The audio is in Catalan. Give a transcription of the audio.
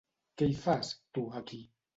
Què hi fas, tu, aquí?